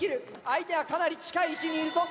相手はかなり近い位置にいるぞ。